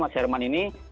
mas herman ini